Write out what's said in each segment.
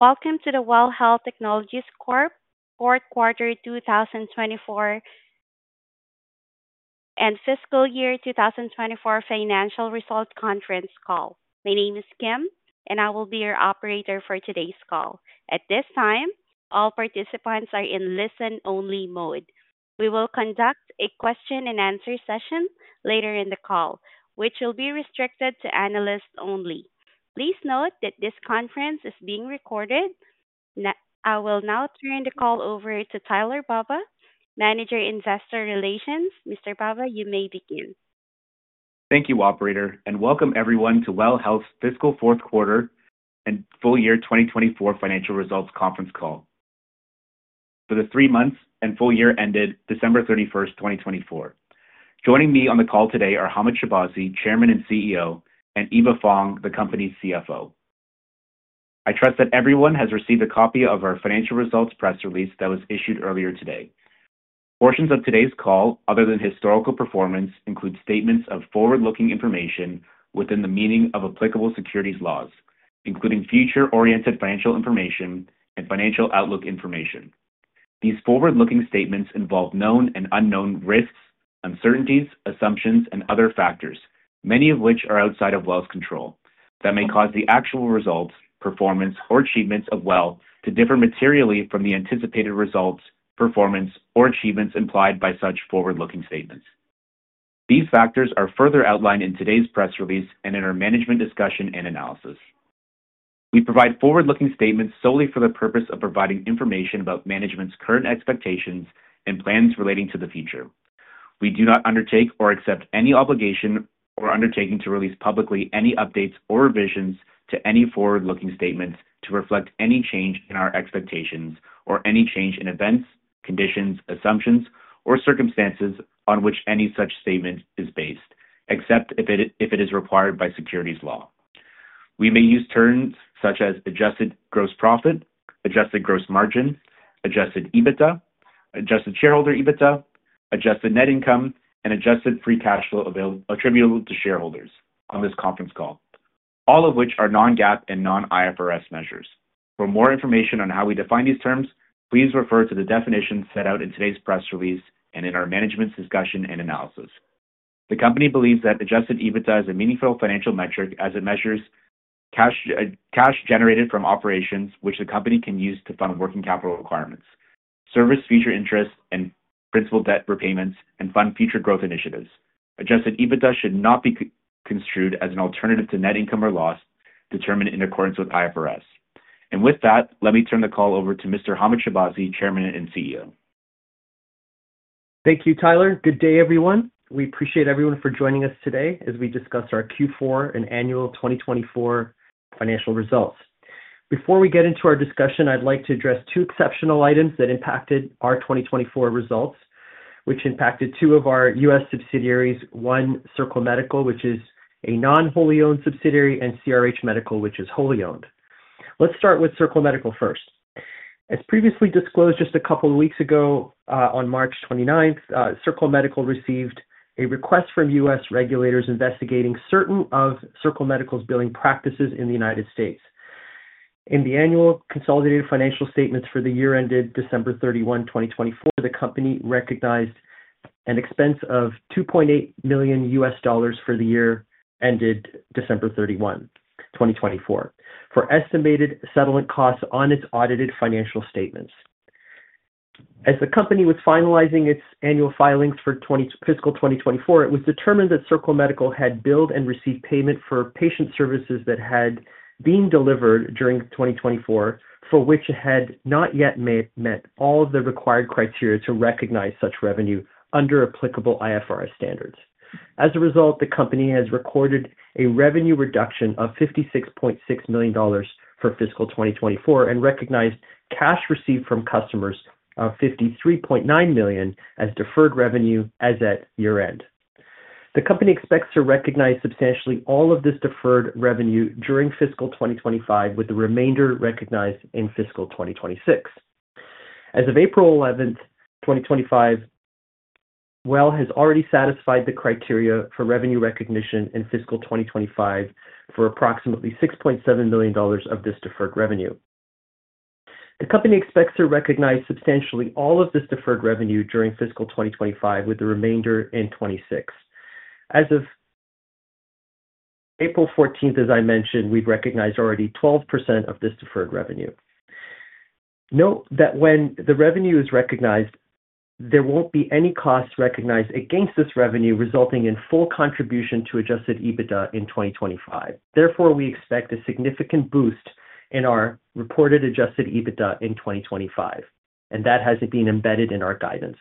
Welcome to the WELL Health Technologies Corp. fourth quarter 2024 and fiscal year 2024 financial result conference call. My name is Kim, and I will be your operator for today's call. At this time, all participants are in listen-only mode. We will conduct a question-and-answer session later in the call, which will be restricted to analysts only. Please note that this conference is being recorded. I will now turn the call over to Tyler Baba, Manager Investor Relations. Mr. Baba, you may begin. Thank you, Operator, and welcome everyone to WELL Health's fiscal fourth quarter and full year 2024 financial results conference call. For the three months and full year ended December 31st 2024, joining me on the call today are Hamed Shahbazi, Chairman and CEO, and Eva Fong, the company's CFO. I trust that everyone has received a copy of our financial results press release that was issued earlier today. Portions of today's call, other than historical performance, include statements of forward-looking information within the meaning of applicable securities laws, including future-oriented financial information and financial outlook information. These forward-looking statements involve known and unknown risks, uncertainties, assumptions, and other factors, many of which are outside of WELL's control, that may cause the actual results, performance, or achievements of WELL to differ materially from the anticipated results, performance, or achievements implied by such forward-looking statements. These factors are further outlined in today's press release and in our management discussion and analysis. We provide forward-looking statements solely for the purpose of providing information about management's current expectations and plans relating to the future. We do not undertake or accept any obligation or undertaking to release publicly any updates or revisions to any forward-looking statements to reflect any change in our expectations or any change in events, conditions, assumptions, or circumstances on which any such statement is based, except if it is required by securities law. We may use terms such as adjusted gross profit, adjusted gross margin, adjusted EBITDA, adjusted shareholder EBITDA, adjusted net income, and adjusted free cash flow attributable to shareholders on this conference call, all of which are non-GAAP and non-IFRS measures. For more information on how we define these terms, please refer to the definitions set out in today's press release and in our management's discussion and analysis. The company believes that adjusted EBITDA is a meaningful financial metric as it measures cash generated from operations, which the company can use to fund working capital requirements, service future interest and principal debt repayments, and fund future growth initiatives. Adjusted EBITDA should not be construed as an alternative to net income or loss determined in accordance with IFRS. With that, let me turn the call over to Mr. Hamed Shahbazi, Chairman and CEO. Thank you, Tyler. Good day, everyone. We appreciate everyone for joining us today as we discuss our Q4 and annual 2024 financial results. Before we get into our discussion, I'd like to address two exceptional items that impacted our 2024 results, which impacted two of our U.S. subsidiaries: one, Circle Medical, which is a non-wholly-owned subsidiary, and CRH Medical, which is wholly-owned. Let's start with Circle Medical first. As previously disclosed just a couple of weeks ago, on March 29, Circle Medical received a request from U.S. regulators investigating certain of Circle Medical's billing practices in the United States. In the annual consolidated financial statements for the year ended December 31, 2024, the company recognized an expense of $2.8 million U.S. dollars for the year ended December 31, 2024, for estimated settlement costs on its audited financial statements. As the company was finalizing its annual filings for fiscal 2024, it was determined that Circle Medical had billed and received payment for patient services that had been delivered during 2024, for which it had not yet met all of the required criteria to recognize such revenue under applicable IFRS standards. As a result, the company has recorded a revenue reduction of $56.6 million for fiscal 2024 and recognized cash received from customers of 53.9 million as deferred revenue as at year-end. The company expects to recognize substantially all of this deferred revenue during fiscal 2025, with the remainder recognized in fiscal 2026. As of April 11, 2025, WELL has already satisfied the criteria for revenue recognition in fiscal 2025 for approximately $6.7 million of this deferred revenue. The company expects to recognize substantially all of this deferred revenue during fiscal 2025, with the remainder in 2026. As of April 14, as I mentioned, we've recognized already 12% of this deferred revenue. Note that when the revenue is recognized, there won't be any costs recognized against this revenue, resulting in full contribution to adjusted EBITDA in 2025. Therefore, we expect a significant boost in our reported adjusted EBITDA in 2025, and that hasn't been embedded in our guidance.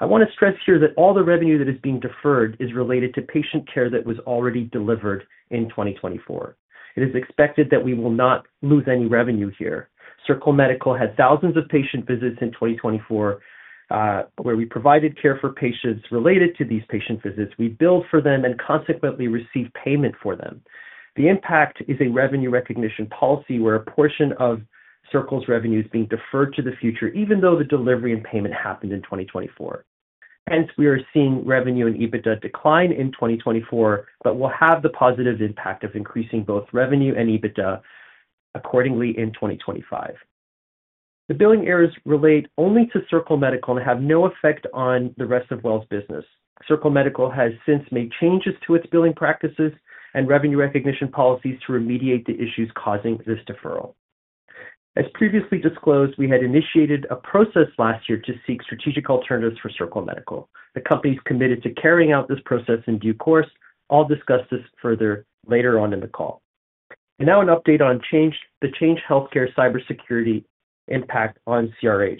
I want to stress here that all the revenue that is being deferred is related to patient care that was already delivered in 2024. It is expected that we will not lose any revenue here. Circle Medical had thousands of patient visits in 2024, where we provided care for patients related to these patient visits. We billed for them and consequently received payment for them. The impact is a revenue recognition policy where a portion of Circle's revenue is being deferred to the future, even though the delivery and payment happened in 2024. Hence, we are seeing revenue and EBITDA decline in 2024, but we'll have the positive impact of increasing both revenue and EBITDA accordingly in 2025. The billing errors relate only to Circle Medical and have no effect on the rest of WELL's business. Circle Medical has since made changes to its billing practices and revenue recognition policies to remediate the issues causing this deferral. As previously disclosed, we had initiated a process last year to seek strategic alternatives for Circle Medical. The company is committed to carrying out this process in due course. I'll discuss this further later on in the call. Now an update on the Change Healthcare cybersecurity impact on CRH.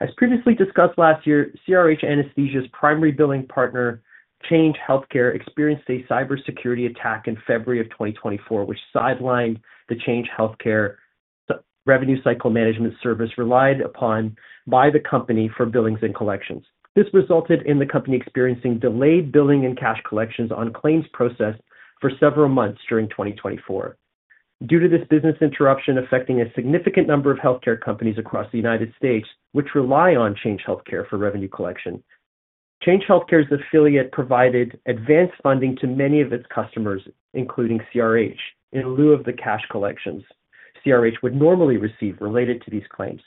As previously discussed last year, CRH Anesthesia's primary billing partner, Change Healthcare, experienced a cybersecurity attack in February of 2024, which sidelined the Change Healthcare revenue cycle management service relied upon by the company for billings and collections. This resulted in the company experiencing delayed billing and cash collections on claims processed for several months during 2024. Due to this business interruption affecting a significant number of healthcare companies across the United States, which rely on Change Healthcare for revenue collection, Change Healthcare's affiliate provided advanced funding to many of its customers, including CRH, in lieu of the cash collections CRH would normally receive related to these claims.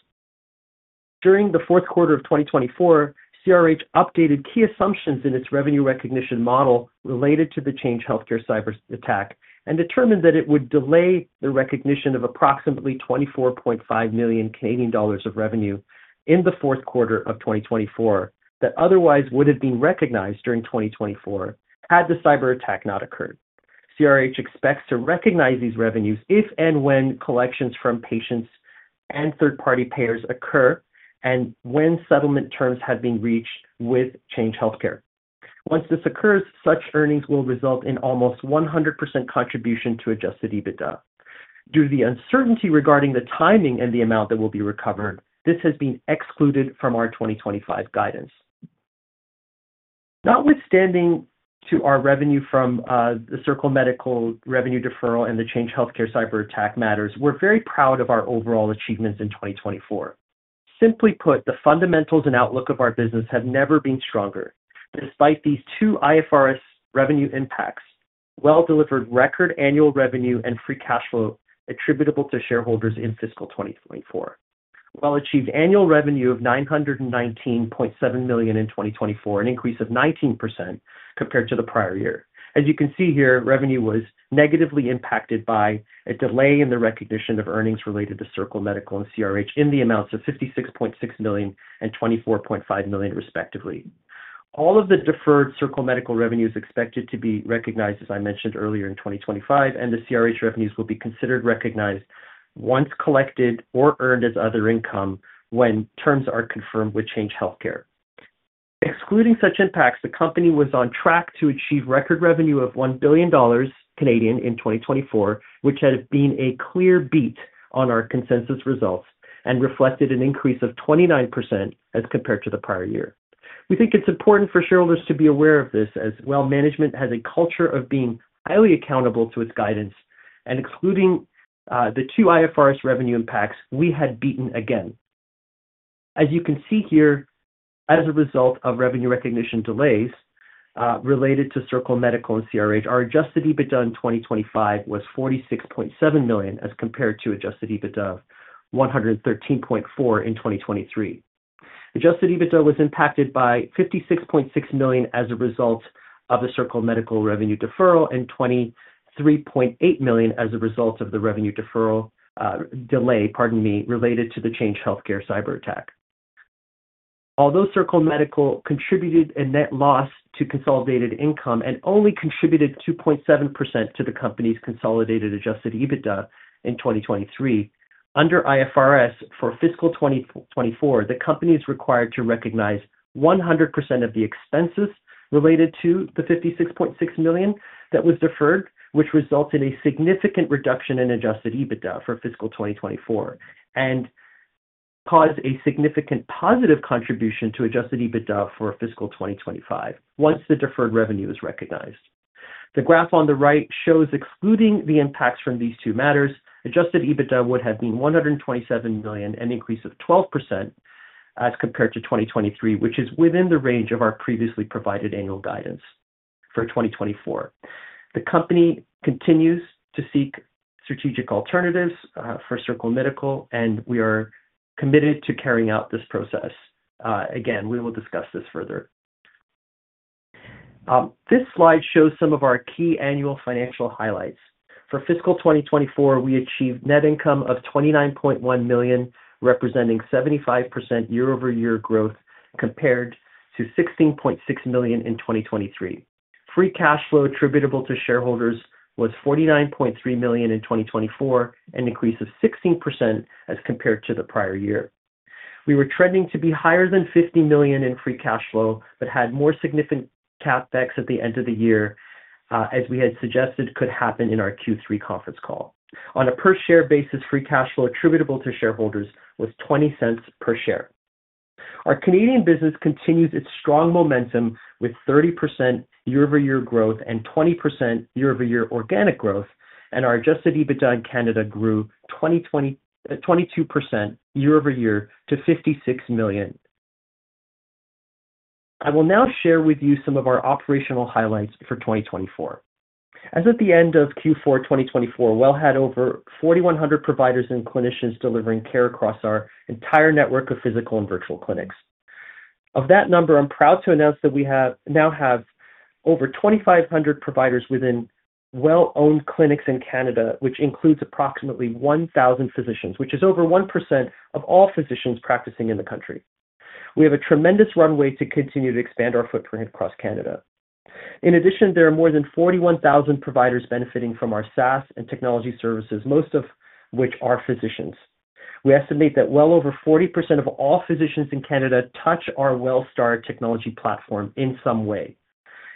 During the fourth quarter of 2024, CRH updated key assumptions in its revenue recognition model related to the Change Healthcare cyber attack and determined that it would delay the recognition of approximately 24.5 million Canadian dollars of revenue in the fourth quarter of 2024 that otherwise would have been recognized during 2024 had the cyber attack not occurred. CRH expects to recognize these revenues if and when collections from patients and third-party payers occur and when settlement terms have been reached with Change Healthcare. Once this occurs, such earnings will result in almost 100% contribution to adjusted EBITDA. Due to the uncertainty regarding the timing and the amount that will be recovered, this has been excluded from our 2025 guidance. Notwithstanding our revenue from the Circle Medical revenue deferral and the Change Healthcare cyber attack matters, we're very proud of our overall achievements in 2024. Simply put, the fundamentals and outlook of our business have never been stronger. Despite these two IFRS revenue impacts, WELL delivered record annual revenue and free cash flow attributable to shareholders in fiscal 2024. WELL achieved annual revenue of 919.7 million in 2024, an increase of 19% compared to the prior year. As you can see here, revenue was negatively impacted by a delay in the recognition of earnings related to Circle Medical and CRH in the amounts of 56.6 million and 24.5 million, respectively. All of the deferred Circle Medical revenue is expected to be recognized, as I mentioned earlier, in 2025, and the CRH revenues will be considered recognized once collected or earned as other income when terms are confirmed with Change Healthcare. Excluding such impacts, the company was on track to achieve record revenue of 1 billion Canadian dollars in 2024, which had been a clear beat on our consensus results and reflected an increase of 29% as compared to the prior year. We think it's important for shareholders to be aware of this, as WELL management has a culture of being highly accountable to its guidance, and excluding the two IFRS revenue impacts, we had beaten again. As you can see here, as a result of revenue recognition delays related to Circle Medical and CRH, our adjusted EBITDA in 2025 was 46.7 million as compared to adjusted EBITDA of 113.4 million in 2023. Adjusted EBITDA was impacted by 56.6 million as a result of the Circle Medical revenue deferral and 23.8 million as a result of the revenue deferral delay, pardon me, related to the Change Healthcare cyber attack. Although Circle Medical contributed a net loss to consolidated income and only contributed 2.7% to the company's consolidated adjusted EBITDA in 2023, under IFRS for fiscal 2024, the company is required to recognize 100% of the expenses related to the 56.6 million that was deferred, which results in a significant reduction in adjusted EBITDA for fiscal 2024 and cause a significant positive contribution to adjusted EBITDA for fiscal 2025 once the deferred revenue is recognized. The graph on the right shows, excluding the impacts from these two matters, adjusted EBITDA would have been 127 million and an increase of 12% as compared to 2023, which is within the range of our previously provided annual guidance for 2024. The company continues to seek strategic alternatives for Circle Medical, and we are committed to carrying out this process. Again, we will discuss this further. This slide shows some of our key annual financial highlights. For fiscal 2024, we achieved net income of 29.1 million, representing 75% year-over-year growth compared to 16.6 million in 2023. Free cash flow attributable to shareholders was 49.3 million in 2024, an increase of 16% as compared to the prior year. We were trending to be higher than 50 million in free cash flow but had more significant CapEx at the end of the year, as we had suggested could happen in our Q3 conference call. On a per-share basis, free cash flow attributable to shareholders was 0.20 per share. Our Canadian business continues its strong momentum with 30% year-over-year growth and 20% year-over-year organic growth, and our adjusted EBITDA in Canada grew 22% year-over-year to 56 million. I will now share with you some of our operational highlights for 2024. As at the end of Q4 2024, WELL had over 4,100 providers and clinicians delivering care across our entire network of physical and virtual clinics. Of that number, I'm proud to announce that we now have over 2,500 providers within WELL-owned clinics in Canada, which includes approximately 1,000 physicians, which is over 1% of all physicians practicing in the country. We have a tremendous runway to continue to expand our footprint across Canada. In addition, there are more than 41,000 providers benefiting from our SaaS and technology services, most of which are physicians. We estimate that well over 40% of all physicians in Canada touch our WELL Star technology platform in some way.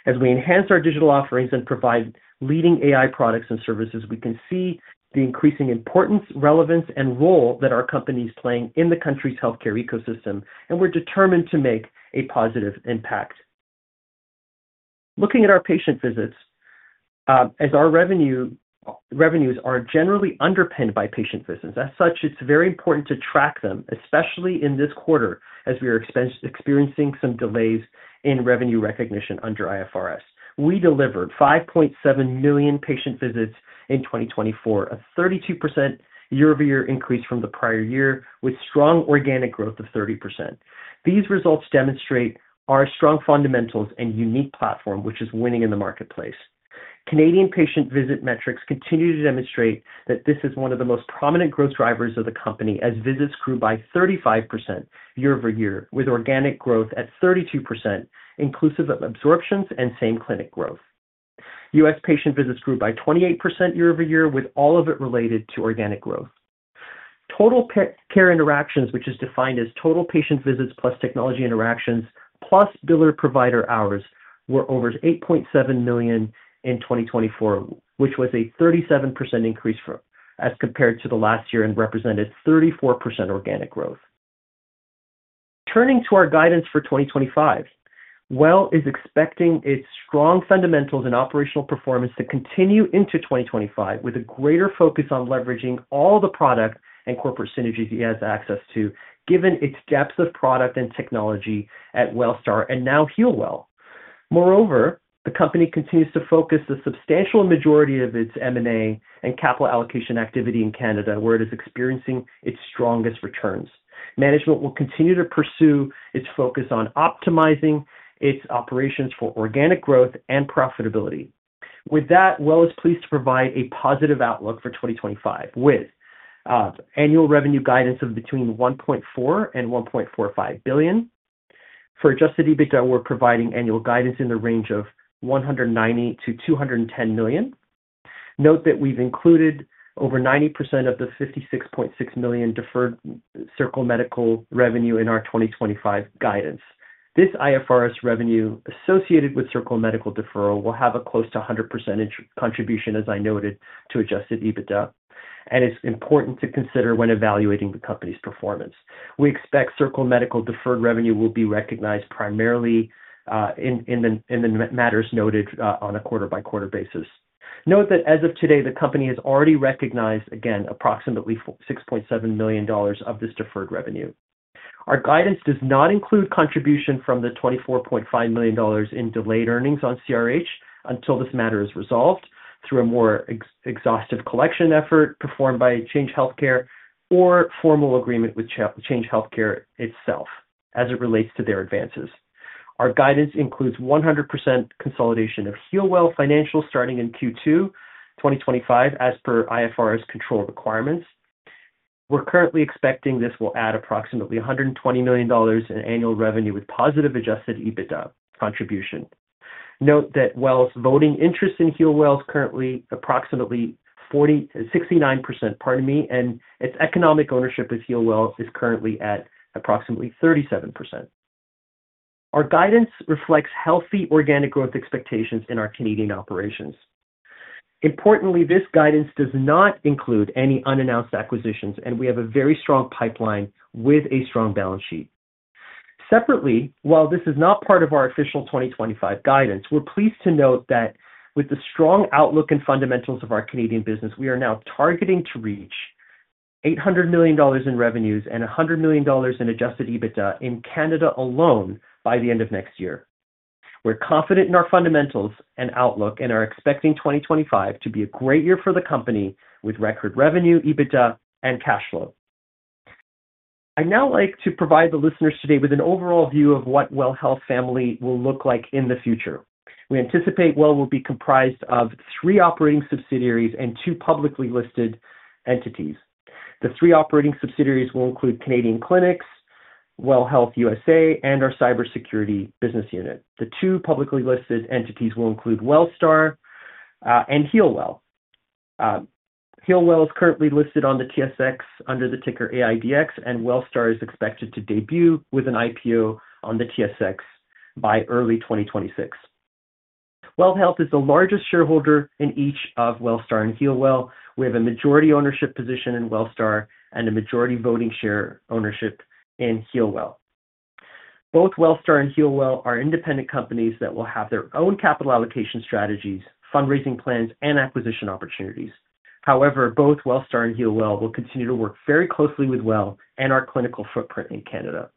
As we enhance our digital offerings and provide leading AI products and services, we can see the increasing importance, relevance, and role that our company is playing in the country's healthcare ecosystem, and we're determined to make a positive impact. Looking at our patient visits, as our revenues are generally underpinned by patient visits, as such, it's very important to track them, especially in this quarter as we are experiencing some delays in revenue recognition under IFRS. We delivered 5.7 million patient visits in 2024, a 32% year-over-year increase from the prior year, with strong organic growth of 30%. These results demonstrate our strong fundamentals and unique platform, which is winning in the marketplace. Canadian patient visit metrics continue to demonstrate that this is one of the most prominent growth drivers of the company, as visits grew by 35% year-over-year, with organic growth at 32%, inclusive of absorptions and same clinic growth. U.S. patient visits grew by 28% year-over-year, with all of it related to organic growth. Total care interactions, which is defined as total patient visits plus technology interactions plus biller-provider hours, were over 8.7 million in 2024, which was a 37% increase as compared to the last year and represented 34% organic growth. Turning to our guidance for 2025, WELL is expecting its strong fundamentals and operational performance to continue into 2025, with a greater focus on leveraging all the product and corporate synergies it has access to, given its depth of product and technology at WELL Star and now HEALWELL. Moreover, the company continues to focus the substantial majority of its M&A and capital allocation activity in Canada, where it is experiencing its strongest returns. Management will continue to pursue its focus on optimizing its operations for organic growth and profitability. With that, WELL is pleased to provide a positive outlook for 2025, with annual revenue guidance of between 1.4 billion and 1.45 billion. For adjusted EBITDA, we're providing annual guidance in the range of 190 million-210 million. Note that we've included over 90% of the 56.6 million deferred Circle Medical revenue in our 2025 guidance. This IFRS revenue associated with Circle Medical deferral will have a close to 100% contribution, as I noted, to adjusted EBITDA, and it's important to consider when evaluating the company's performance. We expect Circle Medical's deferred revenue will be recognized primarily in the matters noted on a quarter-by-quarter basis. Note that as of today, the company has already recognized, again, approximately $6.7 million of this deferred revenue. Our guidance does not include contribution from the $24.5 million in delayed earnings on CRH until this matter is resolved through a more exhaustive collection effort performed by Change Healthcare or formal agreement with Change Healthcare itself as it relates to their advances. Our guidance includes 100% consolidation of HEALWELL financials starting in Q2 2025 as per IFRS control requirements. We're currently expecting this will add approximately $120 million in annual revenue with positive adjusted EBITDA contribution. Note that WELL's voting interest in HEALWELL is currently approximately 69%, pardon me, and its economic ownership with HEALWELL is currently at approximately 37%. Our guidance reflects healthy organic growth expectations in our Canadian operations. Importantly, this guidance does not include any unannounced acquisitions, and we have a very strong pipeline with a strong balance sheet. Separately, while this is not part of our official 2025 guidance, we're pleased to note that with the strong outlook and fundamentals of our Canadian business, we are now targeting to reach 800 million dollars in revenues and 100 million dollars in adjusted EBITDA in Canada alone by the end of next year. We're confident in our fundamentals and outlook and are expecting 2025 to be a great year for the company with record revenue, EBITDA, and cash flow. I'd now like to provide the listeners today with an overall view of what WELL Health family will look like in the future. We anticipate WELL will be comprised of three operating subsidiaries and two publicly listed entities. The three operating subsidiaries will include Canadian Clinics, WELL Health USA, and our cybersecurity business unit. The two publicly listed entities will include WELL Star and HEALWELL. HEALWELL is currently listed on the TSX under the ticker AIDX, and WELL Star is expected to debut with an IPO on the TSX by early 2026. WELL Health is the largest shareholder in each of WELL Star and HEALWELL. We have a majority ownership position in WELL Star and a majority voting share ownership in HEALWELL. Both WELL Star and HEALWELL are independent companies that will have their own capital allocation strategies, fundraising plans, and acquisition opportunities. However, both WELL Star and HEALWELL will continue to work very closely with WELL and our clinical footprint in Canada.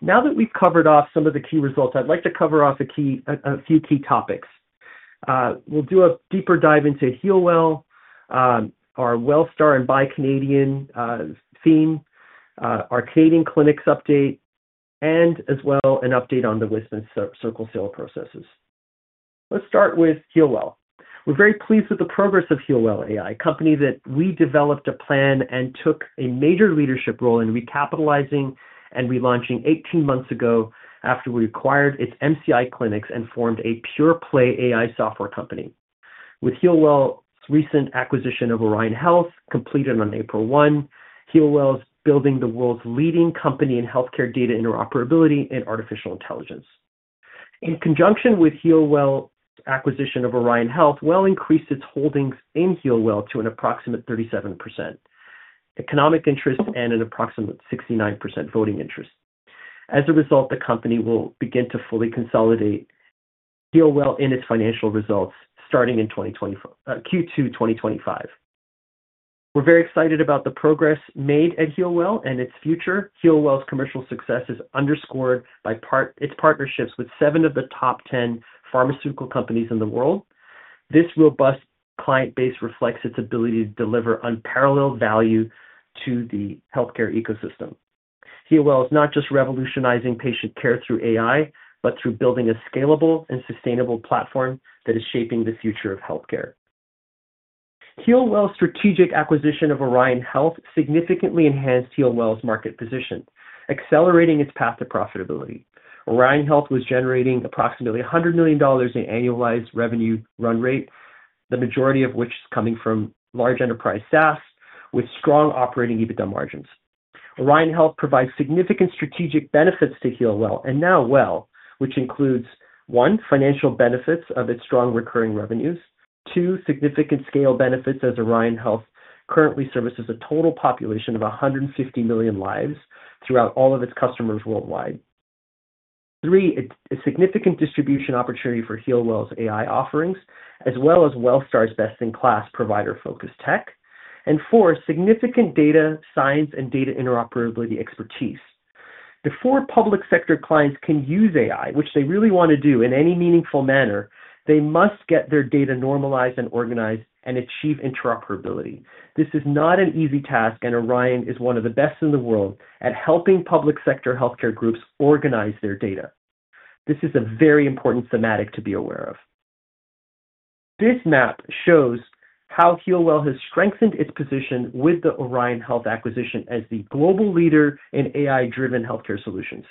Now that we've covered off some of the key results, I'd like to cover off a few key topics. We'll do a deeper dive into HEALWELL, our WELL Star and Buy Canadian theme, our Canadian Clinics update, and as well an update on the WISP and Circle Medical sale processes. Let's start with HEALWELL. We're very pleased with the progress of HEALWELL AI, a company that we developed a plan and took a major leadership role in recapitalizing and relaunching 18 months ago after we acquired its MCI clinics and formed a pure-play AI software company. With HEALWELL's recent acquisition of Orion Health, completed on April one, HEALWELL is building the world's leading company in healthcare data interoperability and artificial intelligence. In conjunction with HEALWELL acquisition of Orion Health, WELL increased its holdings in HEALWELL to an approximate 37% economic interest and an approximate 69% voting interest. As a result, the company will begin to fully consolidate HEALWELL in its financial results starting in Q2 2025. We're very excited about the progress made at HEALWELL and its future. HEALWELL's commercial success is underscored by its partnerships with seven of the top 10 pharmaceutical companies in the world. This robust client base reflects its ability to deliver unparalleled value to the healthcare ecosystem. HEALWELL is not just revolutionizing patient care through AI, but through building a scalable and sustainable platform that is shaping the future of healthcare. HEALWELL's strategic acquisition of Orion Health significantly enhanced HEALWELL's market position, accelerating its path to profitability. Orion Health was generating approximately $100 million in annualized revenue run rate, the majority of which is coming from large enterprise SaaS with strong operating EBITDA margins. Orion Health provides significant strategic benefits to HEALWELL and now WELL, which includes, one, financial benefits of its strong recurring revenues, two, significant scale benefits as Orion Health currently services a total population of 150 million lives throughout all of its customers worldwide, three, a significant distribution opportunity for HEALWELL's AI offerings, as well as WELL Star's best-in-class provider-focused tech, and four, significant data science and data interoperability expertise. Before public sector clients can use AI, which they really want to do in any meaningful manner, they must get their data normalized and organized and achieve interoperability. This is not an easy task, and Orion is one of the best in the world at helping public sector healthcare groups organize their data. This is a very important thematic to be aware of. This map shows how HEALWELL has strengthened its position with the Orion Health acquisition as the global leader in AI-driven healthcare solutions.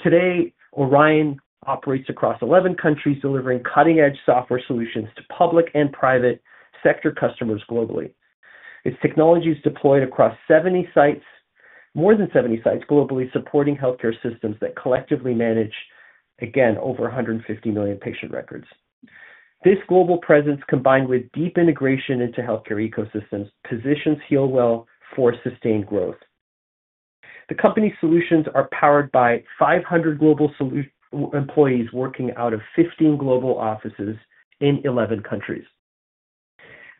Today, Orion operates across 11 countries, delivering cutting-edge software solutions to public and private sector customers globally. Its technology is deployed across more than 70 sites globally, supporting healthcare systems that collectively manage, again, over 150 million patient records. This global presence, combined with deep integration into healthcare ecosystems, positions HEALWELL for sustained growth. The company's solutions are powered by 500 global employees working out of 15 global offices in 11 countries.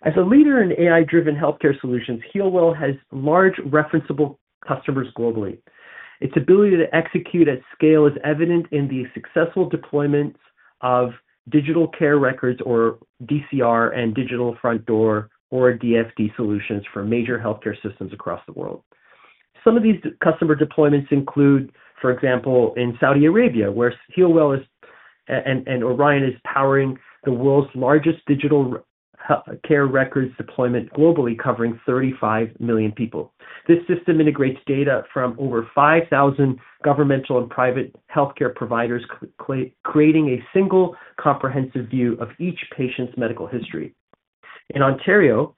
As a leader in AI-driven healthcare solutions, HEALWELL has large referenceable customers globally. Its ability to execute at scale is evident in the successful deployments of digital care records, or DCR, and digital front door, or DFD solutions for major healthcare systems across the world. Some of these customer deployments include, for example, in Saudi Arabia, where HEALWELL and Orion are powering the world's largest digital care records deployment globally, covering 35 million people. This system integrates data from over 5,000 governmental and private healthcare providers, creating a single comprehensive view of each patient's medical history. In Ontario,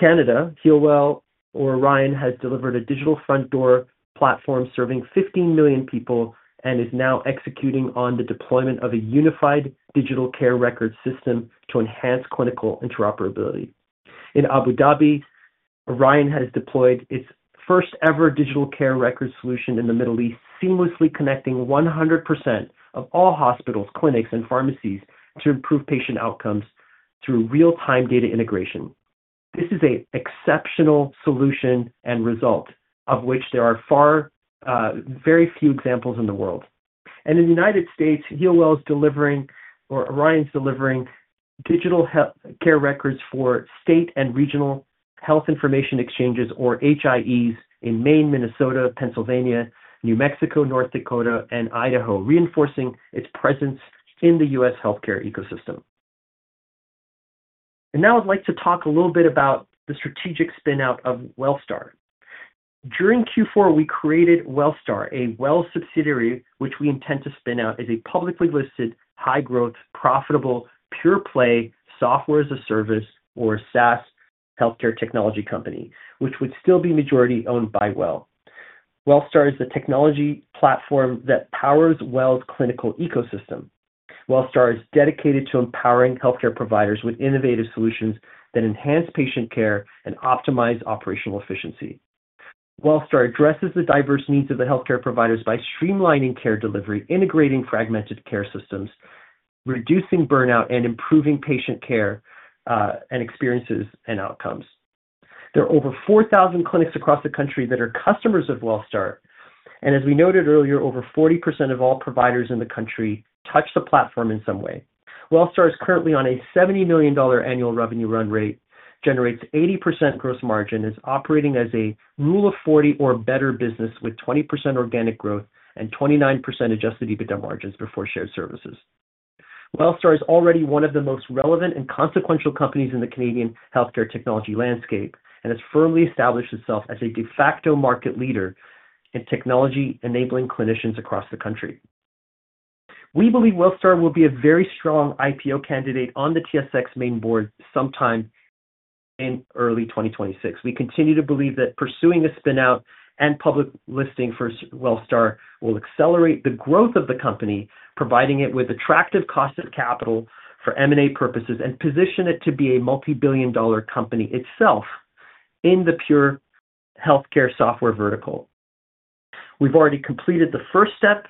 Canada, HEALWELL or Orion has delivered a digital front door platform serving 15 million people and is now executing on the deployment of a unified digital care record system to enhance clinical interoperability. In Abu Dhabi, Orion has deployed its first-ever digital care record solution in the Middle East, seamlessly connecting 100% of all hospitals, clinics, and pharmacies to improve patient outcomes through real-time data integration. This is an exceptional solution and result of which there are very few examples in the world. In the United States, HEALWELL is delivering, or Orion is delivering, digital care records for state and regional health information exchanges, or HIEs, in Maine, Minnesota, Pennsylvania, New Mexico, North Dakota, and Idaho, reinforcing its presence in the U.S. healthcare ecosystem. I would like to talk a little bit about the strategic spinout of WELL Star. During Q4, we created WELL Star, a WELL subsidiary which we intend to spin out as a publicly listed, high-growth, profitable, pure-play software as a service, or SaaS healthcare technology company, which would still be majority owned by WELL. WELL Star is the technology platform that powers WELL's clinical ecosystem. WELL Star is dedicated to empowering healthcare providers with innovative solutions that enhance patient care and optimize operational efficiency. WELL Star addresses the diverse needs of the healthcare providers by streamlining care delivery, integrating fragmented care systems, reducing burnout, and improving patient care and experiences and outcomes. There are over 4,000 clinics across the country that are customers of WELL Star. As we noted earlier, over 40% of all providers in the country touch the platform in some way. WELL Star is currently on a $70 million annual revenue run rate, generates 80% gross margin, is operating as a rule of 40 or better business with 20% organic growth and 29% adjusted EBITDA margins before shared services. WELL Star is already one of the most relevant and consequential companies in the Canadian healthcare technology landscape and has firmly established itself as a de facto market leader in technology-enabling clinicians across the country. We believe WELL Star will be a very strong IPO candidate on the TSX main board sometime in early 2026. We continue to believe that pursuing a spinout and public listing for WELL Star will accelerate the growth of the company, providing it with attractive cost of capital for M&A purposes and position it to be a multi-billion dollar company itself in the pure healthcare software vertical. We've already completed the first step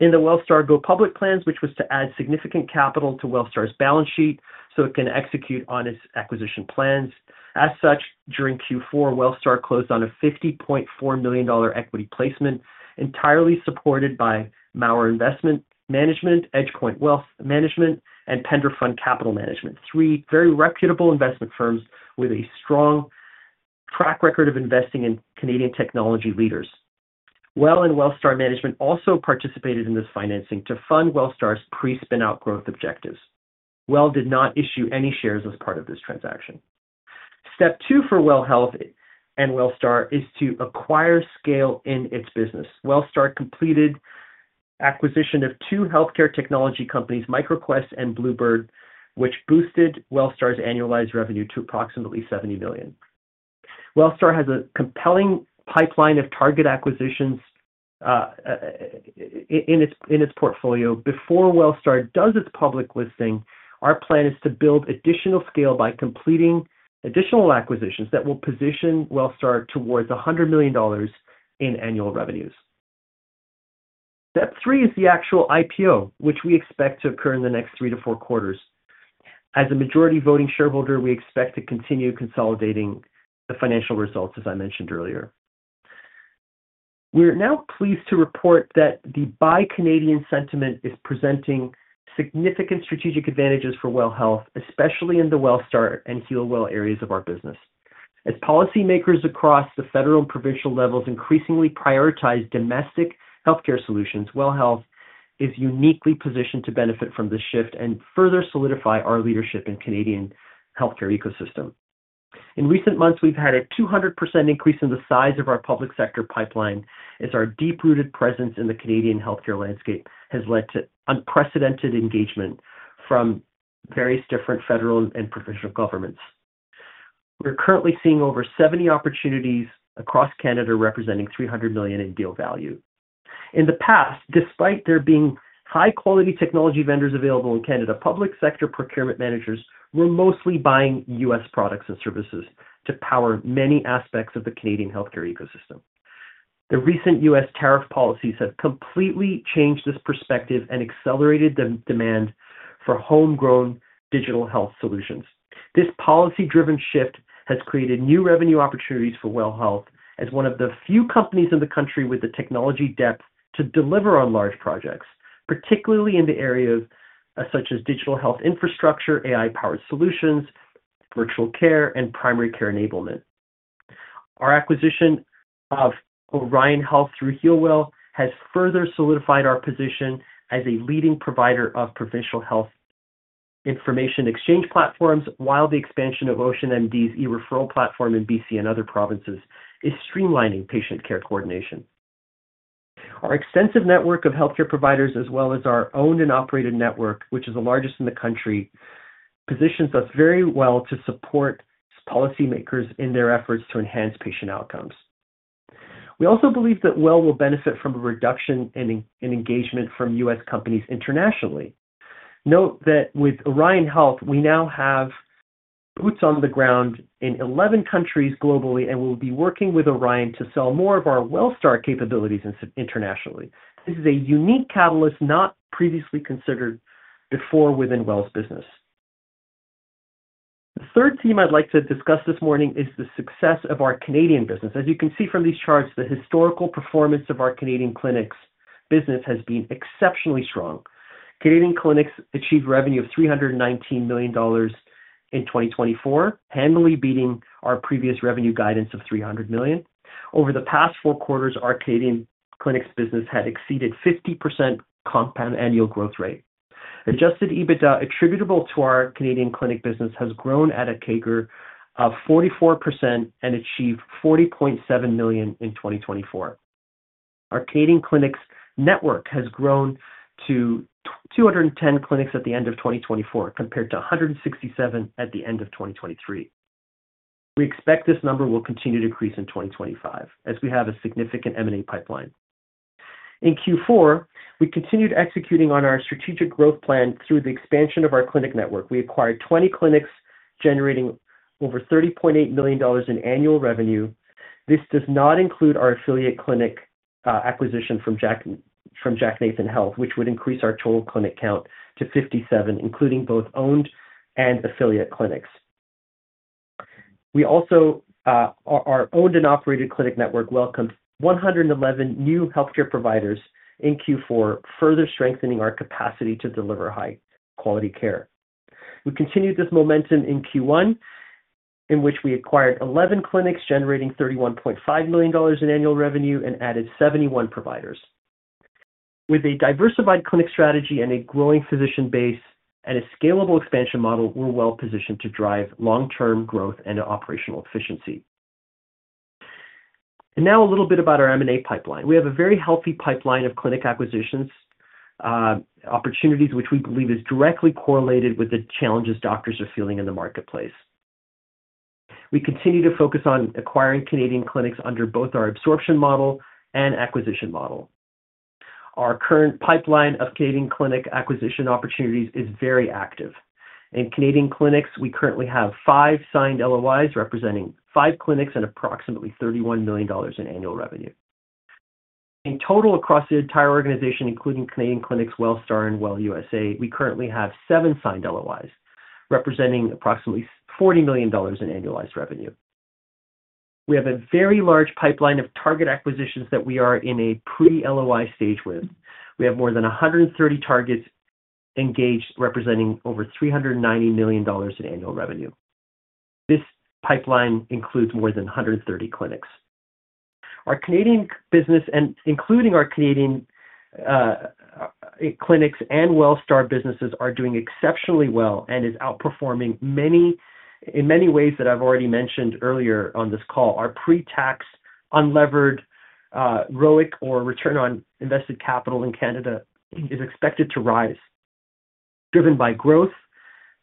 in the WELL Star Go Public plans, which was to add significant capital to WELL Star's balance sheet so it can execute on its acquisition plans. As such, during Q4, WELL Star closed on a $50.4 million equity placement entirely supported by Mawer Investment Management, EdgePoint Wealth Management, and PenderFund Capital Management, three very reputable investment firms with a strong track record of investing in Canadian technology leaders. WELL and WELL Star Management also participated in this financing to fund WELL Star's pre-spinout growth objectives. WELL did not issue any shares as part of this transaction. Step two for WELL Health and WELL Star is to acquire scale in its business. WELL Star completed acquisition of two healthcare technology companies, MicroQuest and Bluebird, which boosted WELL Star's annualized revenue to approximately 70 million. WELL Star has a compelling pipeline of target acquisitions in its portfolio. Before WELL Star does its public listing, our plan is to build additional scale by completing additional acquisitions that will position WELL Star towards $100 million in annual revenues. Step three is the actual IPO, which we expect to occur in the next three to four quarters. As a majority voting shareholder, we expect to continue consolidating the financial results, as I mentioned earlier. We're now pleased to report that the Buy Canadian sentiment is presenting significant strategic advantages for WELL Health, especially in the WELL Star and HealWell areas of our business. As policymakers across the federal and provincial levels increasingly prioritize domestic healthcare solutions, WELL Health is uniquely positioned to benefit from this shift and further solidify our leadership in the Canadian healthcare ecosystem. In recent months, we've had a 200% increase in the size of our public sector pipeline as our deep-rooted presence in the Canadian healthcare landscape has led to unprecedented engagement from various different federal and provincial governments. We're currently seeing over 70 opportunities across Canada representing 300 million in deal value. In the past, despite there being high-quality technology vendors available in Canada, public sector procurement managers were mostly buying U.S. products and services to power many aspects of the Canadian healthcare ecosystem. The recent U.S. Tariff policies have completely changed this perspective and accelerated the demand for homegrown digital health solutions. This policy-driven shift has created new revenue opportunities for WELL Health as one of the few companies in the country with the technology depth to deliver on large projects, particularly in the areas such as digital health infrastructure, AI-powered solutions, virtual care, and primary care enablement. Our acquisition of Orion Health through HEALWELL has further solidified our position as a leading provider of provincial health information exchange platforms, while the expansion of OceanMD's e-referral platform in British Columbia and other provinces is streamlining patient care coordination. Our extensive network of healthcare providers, as well as our owned and operated network, which is the largest in the country, positions us very well to support policymakers in their efforts to enhance patient outcomes. We also believe that WELL will benefit from a reduction in engagement from U.S. companies internationally. Note that with Orion Health, we now have boots on the ground in 11 countries globally and will be working with Orion to sell more of our WELL Star capabilities internationally. This is a unique catalyst not previously considered before within WELL's business. The third theme I'd like to discuss this morning is the success of our Canadian business. As you can see from these charts, the historical performance of our Canadian clinics business has been exceptionally strong. Canadian clinics achieved revenue of 319 million dollars in 2024, handily beating our previous revenue guidance of 300 million. Over the past four quarters, our Canadian clinics business had exceeded 50% compound annual growth rate. Adjusted EBITDA attributable to our Canadian clinic business has grown at a CAGR of 44% and achieved 40.7 million in 2024. Our Canadian clinics network has grown to 210 clinics at the end of 2024, compared to 167 at the end of 2023. We expect this number will continue to increase in 2025 as we have a significant M&A pipeline. In Q4, we continued executing on our strategic growth plan through the expansion of our clinic network. We acquired 20 clinics, generating over $30.8 million in annual revenue. This does not include our affiliate clinic acquisition from Jack Nathan Health, which would increase our total clinic count to 57, including both owned and affiliate clinics. Our owned and operated clinic network welcomed 111 new healthcare providers in Q4, further strengthening our capacity to deliver high-quality care. We continued this momentum in Q1, in which we acquired 11 clinics, generating $31.5 million in annual revenue and added 71 providers. With a diversified clinic strategy and a growing physician base and a scalable expansion model, we're well positioned to drive long-term growth and operational efficiency. Now a little bit about our M&A pipeline. We have a very healthy pipeline of clinic acquisitions opportunities, which we believe is directly correlated with the challenges doctors are feeling in the marketplace. We continue to focus on acquiring Canadian clinics under both our absorption model and acquisition model. Our current pipeline of Canadian clinic acquisition opportunities is very active. In Canadian clinics, we currently have five signed LOIs representing five clinics and approximately $31 million in annual revenue. In total, across the entire organization, including clinics, WELL Star, and WELL USA, we currently have seven signed LOIs representing approximately $40 million in annualized revenue. We have a very large pipeline of target acquisitions that we are in a pre-LOI stage with. We have more than 130 targets engaged, representing over $390 million in annual revenue. This pipeline includes more than 130 clinics. Our Canadian business, including our Canadian clinics and WELL Star businesses, are doing exceptionally well and is outperforming in many ways that I've already mentioned earlier on this call. Our pre-tax, unlevered ROIC, or return on invested capital in Canada, is expected to rise, driven by growth,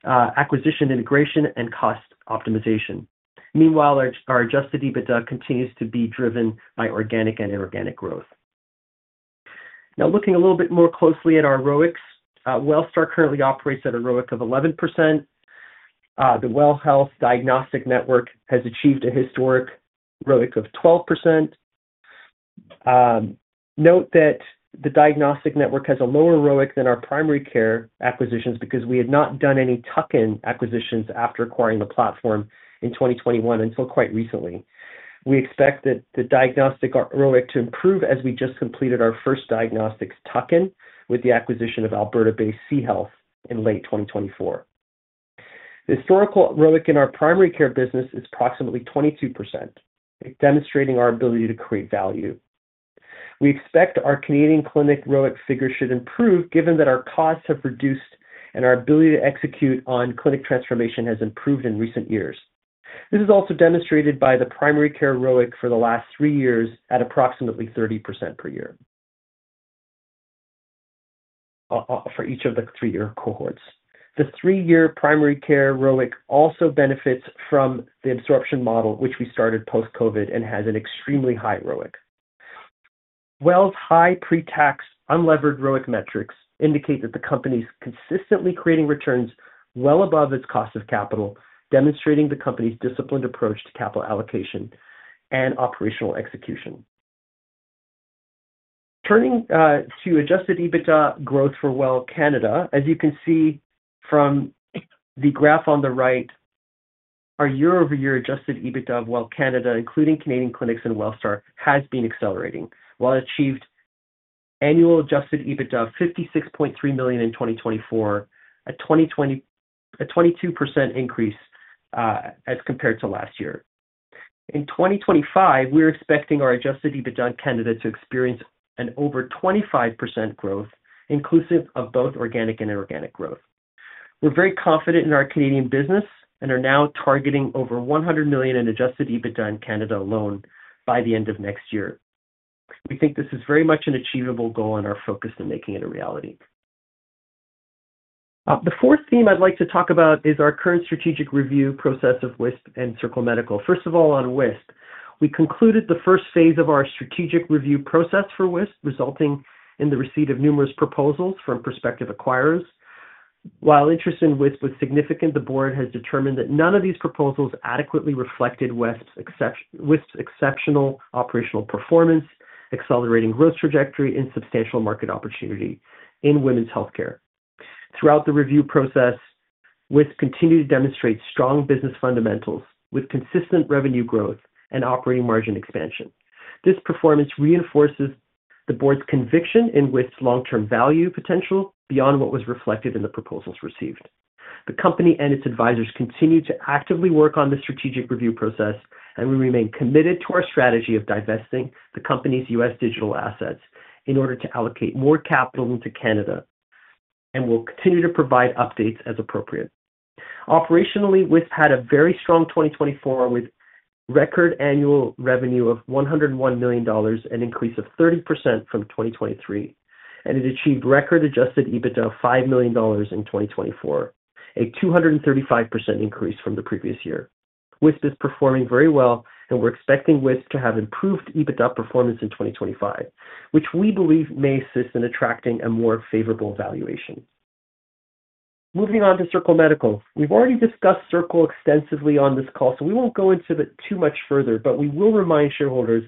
acquisition integration, and cost optimization. Meanwhile, our adjusted EBITDA continues to be driven by organic and inorganic growth. Now, looking a little bit more closely at our ROICs, WELL Star currently operates at a ROIC of 11%. The WELL Health Diagnostic Network has achieved a historic ROIC of 12%. Note that the Diagnostic Network has a lower ROIC than our primary care acquisitions because we had not done any tuck-in acquisitions after acquiring the platform in 2021 until quite recently. We expect the Diagnostic ROIC to improve as we just completed our first diagnostics tuck-in with the acquisition of Alberta-based C-health in late 2024. The historical ROIC in our primary care business is approximately 22%, demonstrating our ability to create value. We expect our Canadian clinic ROIC figure should improve, given that our costs have reduced and our ability to execute on clinic transformation has improved in recent years. This is also demonstrated by the primary care ROIC for the last three years at approximately 30% per year for each of the three-year cohorts. The three-year primary care ROIC also benefits from the absorption model, which we started post-COVID and has an extremely high ROIC. WELL's high pre-tax, unlevered ROIC metrics indicate that the company is consistently creating returns well above its cost of capital, demonstrating the company's disciplined approach to capital allocation and operational execution. Turning to adjusted EBITDA growth for WELL Canada, as you can see from the graph on the right, our year-over-year adjusted EBITDA of WELL Canada, including Canadian clinics and WELL Star, has been accelerating. WELL achieved annual adjusted EBITDA of 56.3 million in 2024, a 22% increase as compared to last year. In 2025, we're expecting our adjusted EBITDA in Canada to experience an over 25% growth, inclusive of both organic and inorganic growth. We're very confident in our Canadian business and are now targeting over 100 million in adjusted EBITDA in Canada alone by the end of next year. We think this is very much an achievable goal and our focus in making it a reality. The fourth theme I'd like to talk about is our current strategic review process of WISP and Circle Medical. First of all, on WISP, we concluded the first phase of our strategic review process for WISP, resulting in the receipt of numerous proposals from prospective acquirers. While interest in WISP was significant, the board has determined that none of these proposals adequately reflected WISP's exceptional operational performance, accelerating growth trajectory, and substantial market opportunity in women's healthcare. Throughout the review process, WISP continued to demonstrate strong business fundamentals with consistent revenue growth and operating margin expansion. This performance reinforces the board's conviction in WISP's long-term value potential beyond what was reflected in the proposals received. The company and its advisors continue to actively work on the strategic review process, and we remain committed to our strategy of divesting the company's U.S. digital assets in order to allocate more capital into Canada, and we'll continue to provide updates as appropriate. Operationally, WISP had a very strong 2024 with record annual revenue of $101 million and an increase of 30% from 2023, and it achieved record adjusted EBITDA of $5 million in 2024, a 235% increase from the previous year. WISP is performing very well, and we're expecting WISP to have improved EBITDA performance in 2025, which we believe may assist in attracting a more favorable valuation. Moving on to Circle Medical, we've already discussed Circle extensively on this call, so we won't go into it too much further, but we will remind shareholders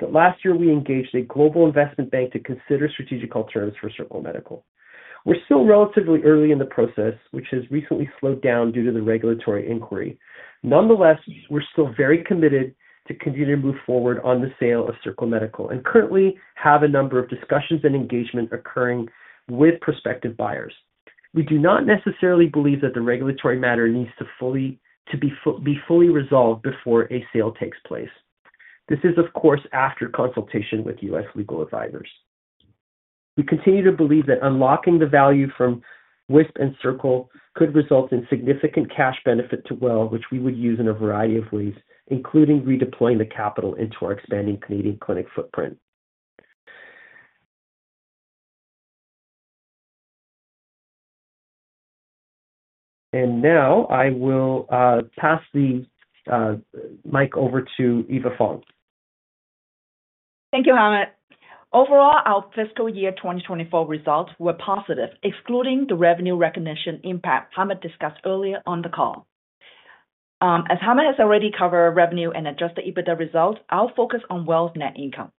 that last year we engaged a global investment bank to consider strategic alternatives for Circle Medical. We're still relatively early in the process, which has recently slowed down due to the regulatory inquiry. Nonetheless, we're still very committed to continue to move forward on the sale of Circle Medical and currently have a number of discussions and engagements occurring with prospective buyers. We do not necessarily believe that the regulatory matter needs to be fully resolved before a sale takes place. This is, of course, after consultation with U.S. legal advisors. We continue to believe that unlocking the value from WISP and Circle could result in significant cash benefit to WELL, which we would use in a variety of ways, including redeploying the capital into our expanding Canadian clinic footprint. I will pass the mic over to Eva Fong. Thank you, Hamed. Overall, our fiscal year 2024 results were positive, excluding the revenue recognition impact Hamed discussed earlier on the call. As Hamed has already covered revenue and adjusted EBITDA results, I'll focus on WELL's net income.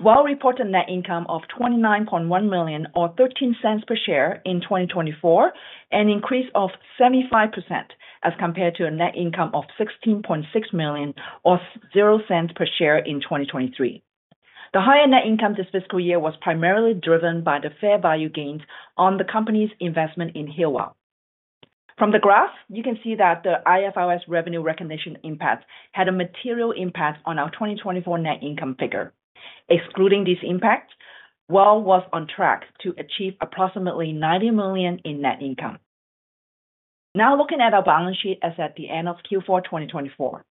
WELL reported net income of million, or 0.13 per share in 2024, an increase of 75% as compared to a net income of 16.6 million, or 0.0 per share in 2023. The higher net income this fiscal year was primarily driven by the fair value gains on the company's investment in HEALWELL. From the graph, you can see that the IFRS revenue recognition impact had a material impact on our 2024 net income figure. Excluding these impacts, WELL was on track to achieve approximately 90 million in net income. Now looking at our balance sheet as at the end of Q4 2024,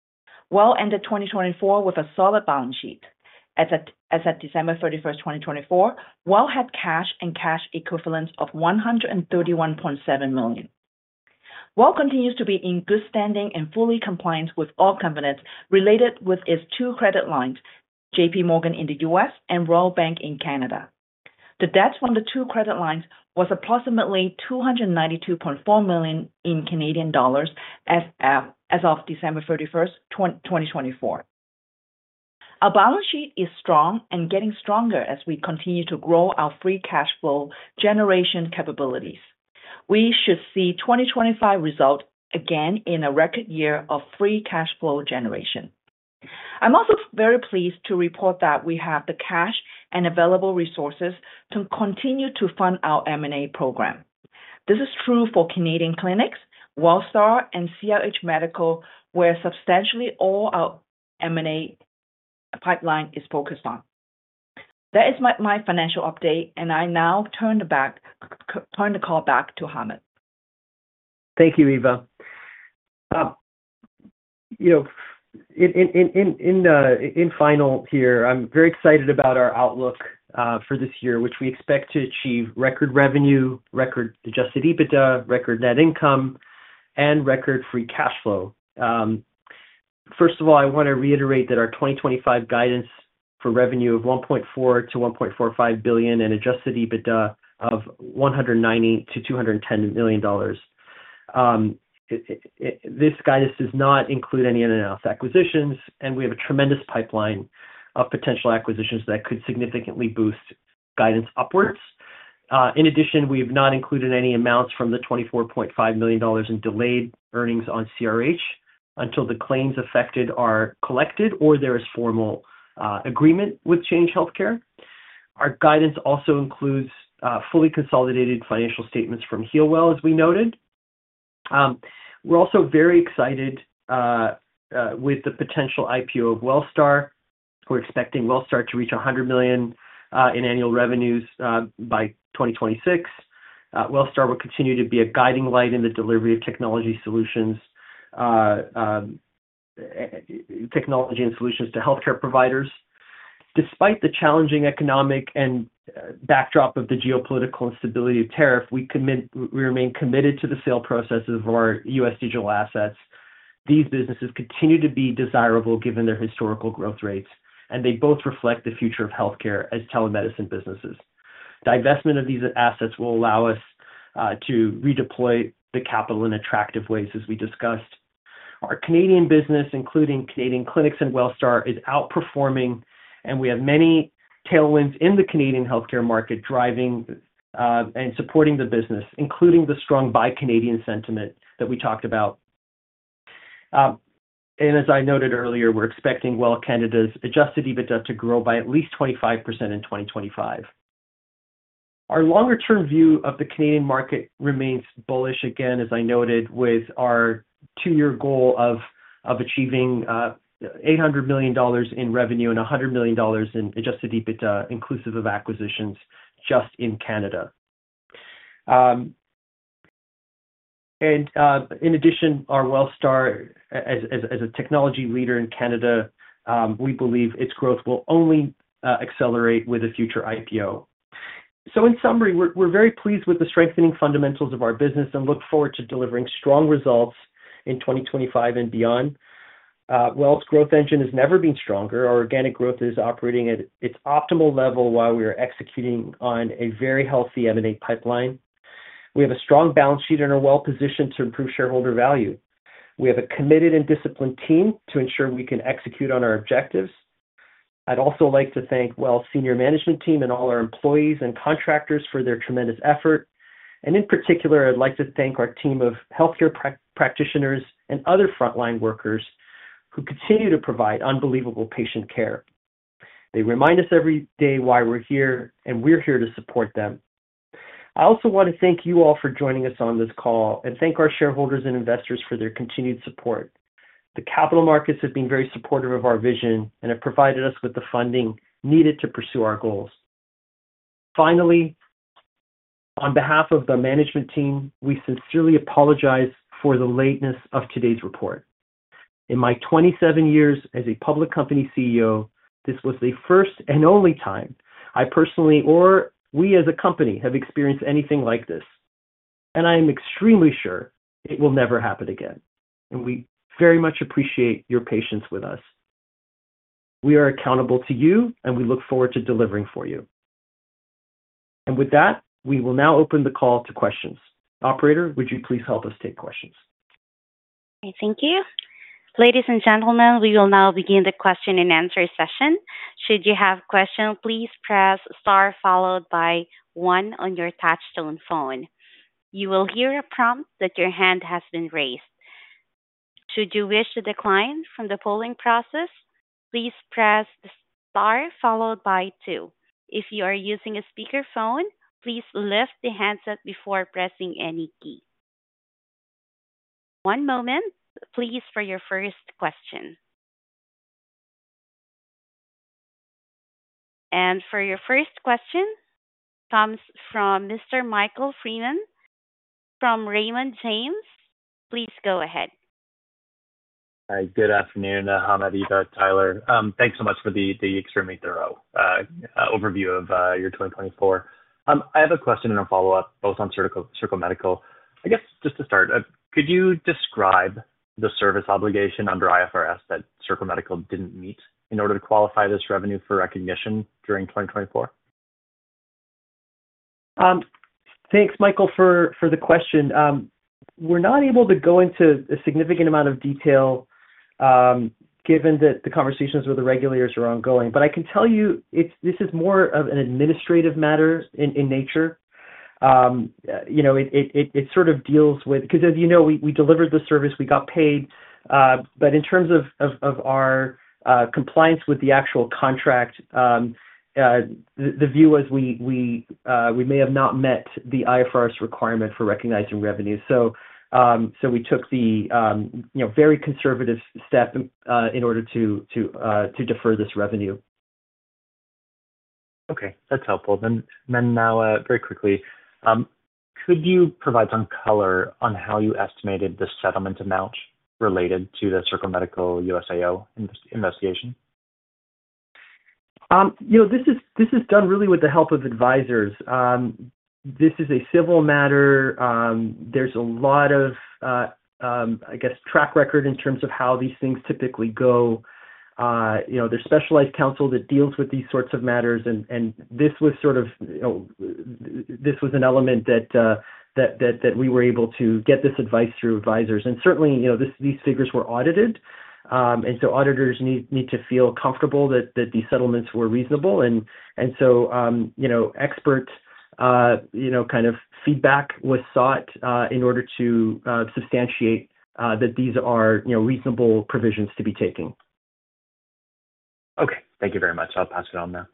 WELL ended 2024 with a solid balance sheet. As at December 31st 2024, WELL had cash and cash equivalents of 131.7 million. WELL continues to be in good standing and fully compliant with all covenants related with its two credit lines, JP Morgan in the U.S. and Royal Bank in Canada. The debts on the two credit lines were approximately 292.4 million as of December 31, 2024. Our balance sheet is strong and getting stronger as we continue to grow our free cash flow generation capabilities. We should see 2025 results again in a record year of free cash flow generation. I'm also very pleased to report that we have the cash and available resources to continue to fund our M&A program. This is true for Canadian clinics, WELL Star, and CRH Medical, where substantially all our M&A pipeline is focused on. That is my financial update, and I now turn the call back to Hamed. Thank you, Eva. In final here, I'm very excited about our outlook for this year, which we expect to achieve record revenue, record adjusted EBITDA, record net income, and record free cash flow. First of all, I want to reiterate that our 2025 guidance for revenue of 1.4 billion-1.45 billion and adjusted EBITDA of $190 million-$210 million. This guidance does not include any unannounced acquisitions, and we have a tremendous pipeline of potential acquisitions that could significantly boost guidance upwards. In addition, we have not included any amounts from the 24.5 million dollars in delayed earnings on CRH until the claims affected are collected or there is formal agreement with Change Healthcare. Our guidance also includes fully consolidated financial statements from HEALWELL, as we noted. We are also very excited with the potential IPO of WELL Star. We are expecting WELL Star to reach 100 million in annual revenues by 2026. WELL Star will continue to be a guiding light in the delivery of technology solutions to healthcare providers. Despite the challenging economic and backdrop of the geopolitical instability of tariff, we remain committed to the sale processes of our U.S. digital assets. These businesses continue to be desirable given their historical growth rates, and they both reflect the future of healthcare as telemedicine businesses. Divestment of these assets will allow us to redeploy the capital in attractive ways, as we discussed. Our Canadian business, including Canadian clinics and WELL Star, is outperforming, and we have many tailwinds in the Canadian healthcare market driving and supporting the business, including the strong buy Canadian sentiment that we talked about. As I noted earlier, we're expecting WELL Canada's adjusted EBITDA to grow by at least 25% in 2025. Our longer-term view of the Canadian market remains bullish, again, as I noted, with our two-year goal of achieving $800 million in revenue and $100 million in adjusted EBITDA, inclusive of acquisitions just in Canada. In addition, our WELL Star, as a technology leader in Canada, we believe its growth will only accelerate with a future IPO. In summary, we're very pleased with the strengthening fundamentals of our business and look forward to delivering strong results in 2025 and beyond. WELL's growth engine has never been stronger. Our organic growth is operating at its optimal level while we are executing on a very healthy M&A pipeline. We have a strong balance sheet and are well-positioned to improve shareholder value. We have a committed and disciplined team to ensure we can execute on our objectives. I'd also like to thank WELL's senior management team and all our employees and contractors for their tremendous effort. In particular, I'd like to thank our team of healthcare practitioners and other frontline workers who continue to provide unbelievable patient care. They remind us every day why we're here, and we're here to support them. I also want to thank you all for joining us on this call and thank our shareholders and investors for their continued support. The capital markets have been very supportive of our vision and have provided us with the funding needed to pursue our goals. Finally, on behalf of the management team, we sincerely apologize for the lateness of today's report. In my 27 years as a public company CEO, this was the first and only time I personally or we as a company have experienced anything like this, and I am extremely sure it will never happen again. We very much appreciate your patience with us. We are accountable to you, and we look forward to delivering for you. With that, we will now open the call to questions. Operator, would you please help us take questions? Thank you. Ladies and gentlemen, we will now begin the question and answer session. Should you have a question, please press star followed by one on your touchstone phone. You will hear a prompt that your hand has been raised. Should you wish to decline from the polling process, please press star followed by two. If you are using a speakerphone, please lift the handset before pressing any key. One moment, please, for your first question. Your first question comes from Mr. Michael Freeman from Raymond James. Please go ahead. Hi, good afternoon, Hamed, Eva, Tyler. Thanks so much for the extremely thorough overview of your 2024. I have a question and a follow-up both on Circle Medical. I guess just to start, could you describe the service obligation under IFRS that Circle Medical did not meet in order to qualify this revenue for recognition during 2024? Thanks, Michael, for the question. We are not able to go into a significant amount of detail given that the conversations with the regulators are ongoing. I can tell you this is more of an administrative matter in nature. It sort of deals with because, as you know, we delivered the service, we got paid. In terms of our compliance with the actual contract, the view was we may have not met the IFRS requirement for recognizing revenue. We took the very conservative step in order to defer this revenue. Okay, that's helpful. Now, very quickly, could you provide some color on how you estimated the settlement amount related to the Circle Medical USAO investigation? This is done really with the help of advisors. This is a civil matter. There's a lot of, I guess, track record in terms of how these things typically go. There's specialized counsel that deals with these sorts of matters, and this was an element that we were able to get this advice through advisors. Certainly, these figures were audited, and so auditors need to feel comfortable that these settlements were reasonable. Expert kind of feedback was sought in order to substantiate that these are reasonable provisions to be taken. Okay, thank you very much. I'll pass it on now.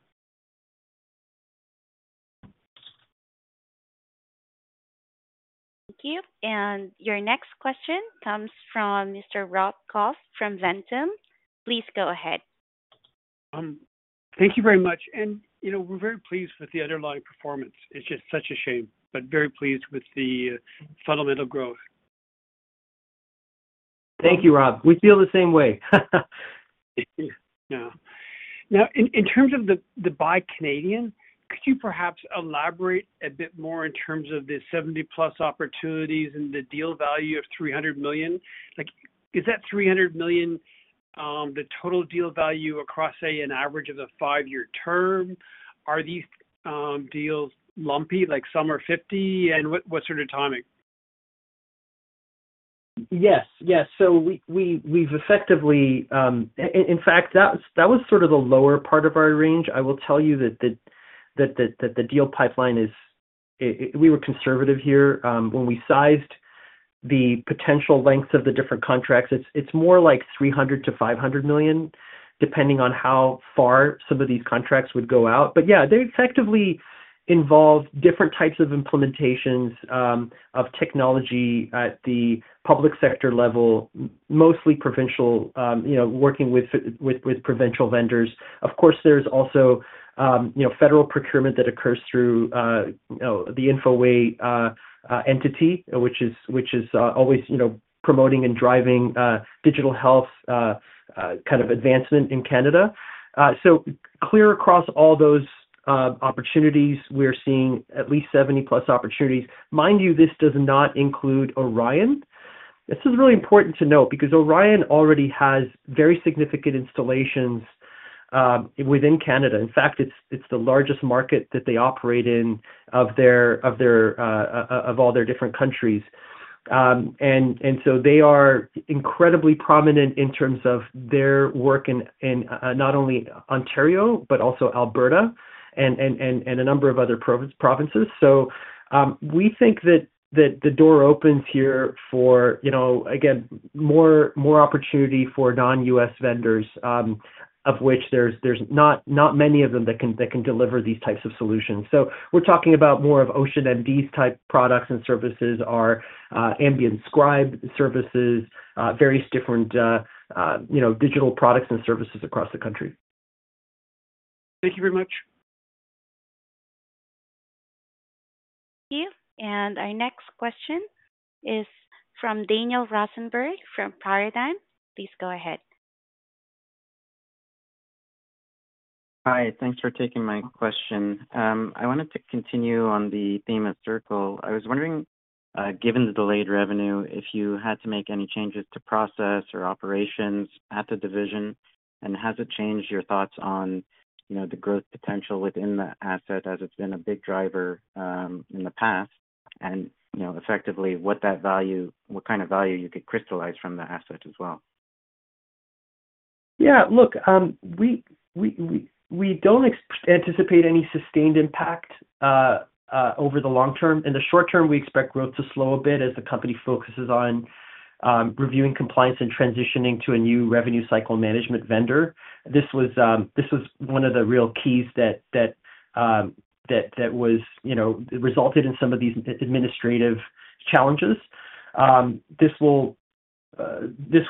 Thank you. Your next question comes from Mr. Rob Kauf from Ventum. Please go ahead. Thank you very much. We're very pleased with the underlying performance. It's just such a shame, but very pleased with the fundamental growth. Thank you, Rob. We feel the same way. In terms of the buy Canadian, could you perhaps elaborate a bit more in terms of the 70-plus opportunities and the deal value of 300 million? Is that 300 million the total deal value across, say, an average of a five-year term? Are these deals lumpy, like some are 50, and what sort of timing? Yes, yes. We've effectively in fact, that was sort of the lower part of our range. I will tell you that the deal pipeline is we were conservative here when we sized the potential lengths of the different contracts. It is more like 300 million-500 million, depending on how far some of these contracts would go out. Yeah, they effectively involve different types of implementations of technology at the public sector level, mostly provincial, working with provincial vendors. Of course, there is also federal procurement that occurs through the InfoWay entity, which is always promoting and driving digital health kind of advancement in Canada. Clear across all those opportunities, we are seeing at least 70-plus opportunities. Mind you, this does not include Orion. This is really important to note because Orion already has very significant installations within Canada. In fact, it is the largest market that they operate in of all their different countries. They are incredibly prominent in terms of their work in not only Ontario, but also Alberta and a number of other provinces. We think that the door opens here for, again, more opportunity for non-U.S. vendors, of which there are not many that can deliver these types of solutions. We are talking about more of OceanMD's type products and services, our ambient scribe services, various different digital products and services across the country. Thank you very much. Thank you. Our next question is from Daniel Rosenberg from Paradigm. Please go ahead. Hi, thanks for taking my question. I wanted to continue on the theme of Circle. I was wondering, given the delayed revenue, if you had to make any changes to process or operations at the division, and has it changed your thoughts on the growth potential within the asset as it's been a big driver in the past? Effectively, what kind of value you could crystallize from the asset as well? Yeah, look, we don't anticipate any sustained impact over the long term. In the short term, we expect growth to slow a bit as the company focuses on reviewing compliance and transitioning to a new revenue cycle management vendor. This was one of the real keys that resulted in some of these administrative challenges. This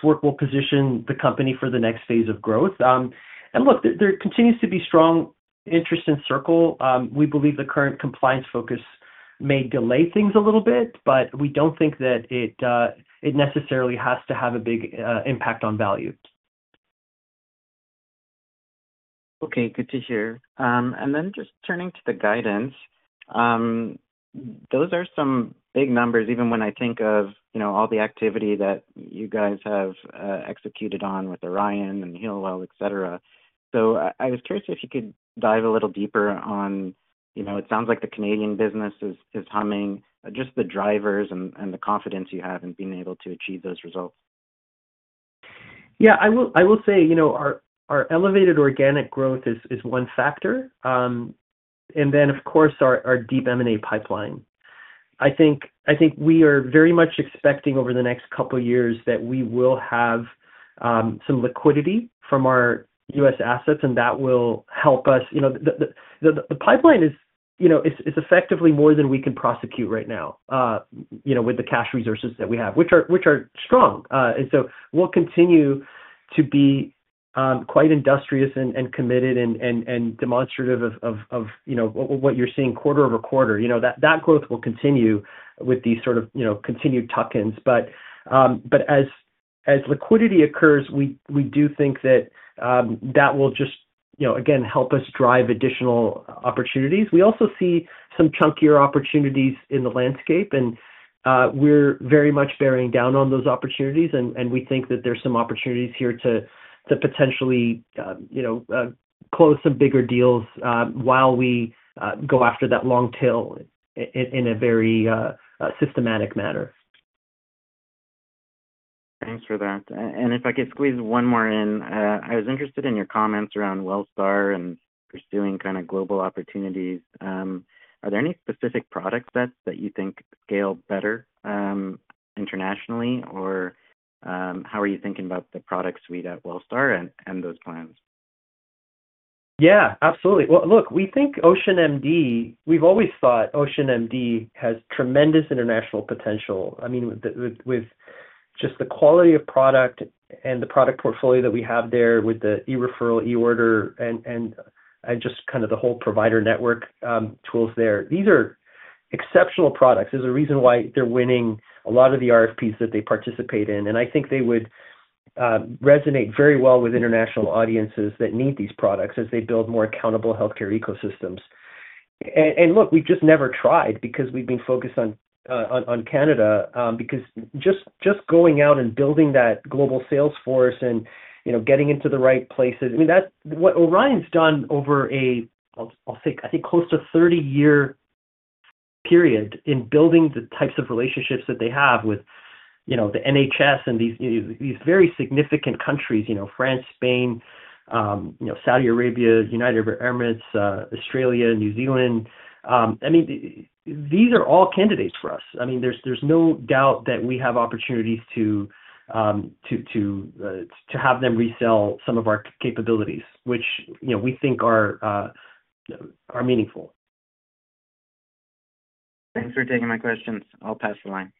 work will position the company for the next phase of growth. There continues to be strong interest in Circle. We believe the current compliance focus may delay things a little bit, but we do not think that it necessarily has to have a big impact on value. Okay, good to hear. Just turning to the guidance, those are some big numbers, even when I think of all the activity that you guys have executed on with Orion and HEALWELL, etc. I was curious if you could dive a little deeper on it sounds like the Canadian business is humming, just the drivers and the confidence you have in being able to achieve those results. Yeah, I will say our elevated organic growth is one factor. Of course, our deep M&A pipeline. I think we are very much expecting over the next couple of years that we will have some liquidity from our U.S. assets, and that will help us. The pipeline is effectively more than we can prosecute right now with the cash resources that we have, which are strong. We will continue to be quite industrious and committed and demonstrative of what you're seeing quarter over quarter. That growth will continue with these sort of continued tuck-ins. As liquidity occurs, we do think that that will just, again, help us drive additional opportunities. We also see some chunkier opportunities in the landscape, and we're very much bearing down on those opportunities. We think that there's some opportunities here to potentially close some bigger deals while we go after that long tail in a very systematic manner. Thanks for that. If I could squeeze one more in, I was interested in your comments around WELL Star and pursuing kind of global opportunities. Are there any specific product sets that you think scale better internationally, or how are you thinking about the product suite at WELL Star and those plans? Yeah, absolutely. Well, look, we think OceanMD, we've always thought OceanMD has tremendous international potential. I mean, with just the quality of product and the product portfolio that we have there with the e-referral, e-order, and just kind of the whole provider network tools there, these are exceptional products. There's a reason why they're winning a lot of the RFPs that they participate in. I think they would resonate very well with international audiences that need these products as they build more accountable healthcare ecosystems. Look, we've just never tried because we've been focused on Canada, because just going out and building that global salesforce and getting into the right places, I mean, what Orion's done over, I'll say, I think, close to a 30-year period in building the types of relationships that they have with the NHS and these very significant countries, France, Spain, Saudi Arabia, United Arab Emirates, Australia, New Zealand. I mean, these are all candidates for us. I mean, there's no doubt that we have opportunities to have them resell some of our capabilities, which we think are meaningful. Thanks for taking my questions. I'll pass the line.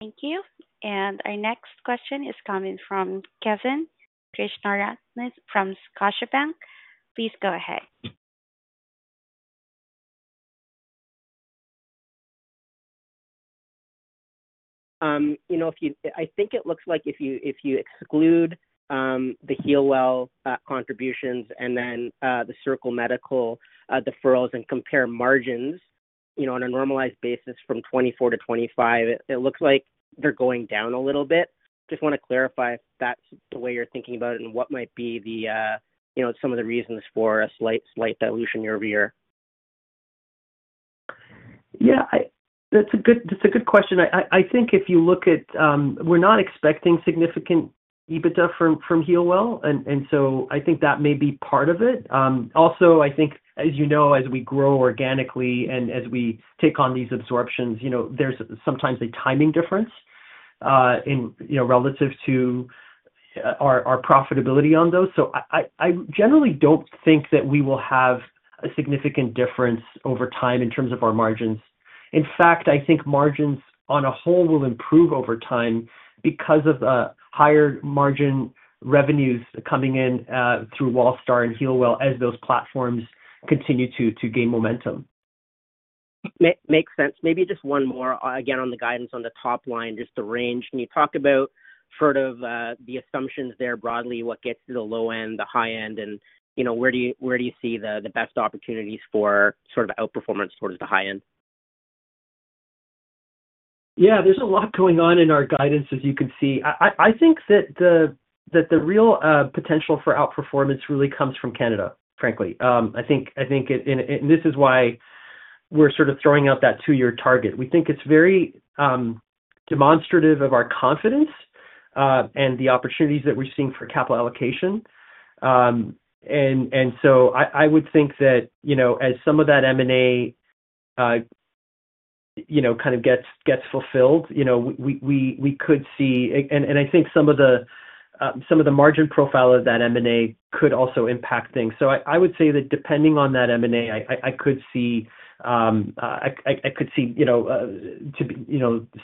Thank you. Our next question is coming from Kevin Krishnaratne from Scotiabank. Please go ahead. I think it looks like if you exclude the HEALWELL contributions and then the Circle Medical deferrals and compare margins on a normalized basis from 2024-2025, it looks like they're going down a little bit. Just want to clarify if that's the way you're thinking about it and what might be some of the reasons for a slight dilution year-over-year. Yeah, that's a good question. I think if you look at we're not expecting significant EBITDA from HEALWELL, and so I think that may be part of it. Also, I think, as you know, as we grow organically and as we take on these absorptions, there's sometimes a timing difference relative to our profitability on those. I generally don't think that we will have a significant difference over time in terms of our margins. In fact, I think margins on a whole will improve over time because of the higher margin revenues coming in through WELL Star and HEALWELL as those platforms continue to gain momentum. Makes sense. Maybe just one more, again, on the guidance on the top line, just the range. Can you talk about sort of the assumptions there broadly, what gets to the low end, the high end, and where do you see the best opportunities for sort of outperformance towards the high end? Yeah, there's a lot going on in our guidance, as you can see. I think that the real potential for outperformance really comes from Canada, frankly. I think, and this is why we're sort of throwing out that two-year target. We think it's very demonstrative of our confidence and the opportunities that we're seeing for capital allocation. I would think that as some of that M&A kind of gets fulfilled, we could see, and I think some of the margin profile of that M&A could also impact things. I would say that depending on that M&A, I could see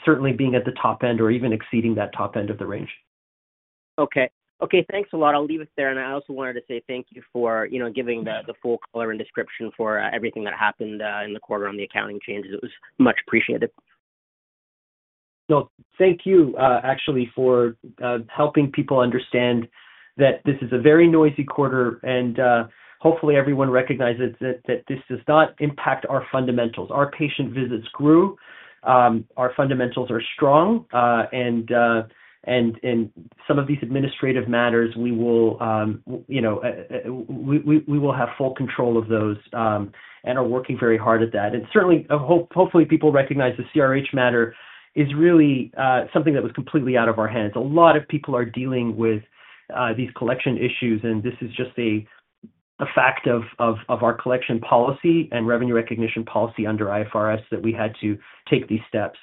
certainly being at the top end or even exceeding that top end of the range. Okay. Okay, thanks a lot. I'll leave it there. I also wanted to say thank you for giving the full color and description for everything that happened in the quarter on the accounting changes. It was much appreciated. Thank you, actually, for helping people understand that this is a very noisy quarter, and hopefully, everyone recognizes that this does not impact our fundamentals. Our patient visits grew. Our fundamentals are strong. Some of these administrative matters, we will have full control of those and are working very hard at that. Certainly, hopefully, people recognize the CRH matter is really something that was completely out of our hands. A lot of people are dealing with these collection issues, and this is just a fact of our collection policy and revenue recognition policy under IFRS that we had to take these steps.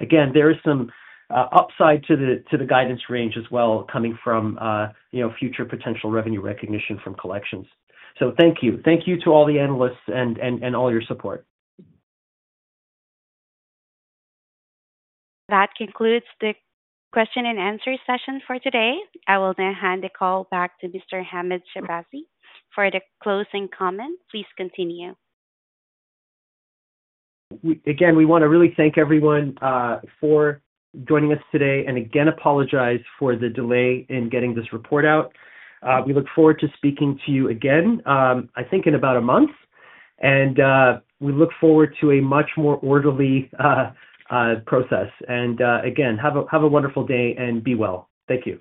Again, there is some upside to the guidance range as well coming from future potential revenue recognition from collections. Thank you. Thank you to all the analysts and all your support. That concludes the question and answer session for today. I will now hand the call back to Mr. Hamed Shahbazi for the closing comment. Please continue. Again, we want to really thank everyone for joining us today and again apologize for the delay in getting this report out. We look forward to speaking to you again, I think, in about a month. We look forward to a much more orderly process. Again, have a wonderful day and be well. Thank you.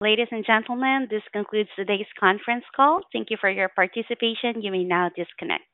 Ladies and gentlemen, this concludes today's conference call. Thank you for your participation. You may now disconnect.